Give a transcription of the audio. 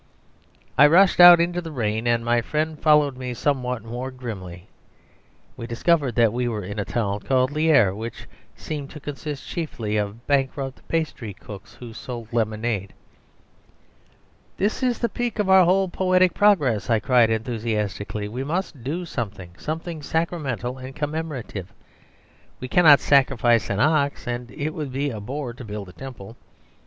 I rushed out into the rain, and my friend followed me somewhat more grimly. We discovered we were in a town called Lierre, which seemed to consist chiefly of bankrupt pastry cooks, who sold lemonade. "This is the peak of our whole poetic progress!" I cried enthusiastically. "We must do something, something sacramental and commemorative! We cannot sacrifice an ox, and it would be a bore to build a temple.